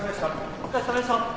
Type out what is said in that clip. ・お疲れさまでした。